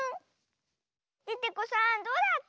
デテコさんどうだった？